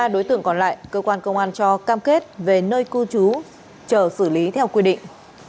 ba đối tượng còn lại cơ quan công an cho cam kết về nơi cư trú chờ xử lý theo quy định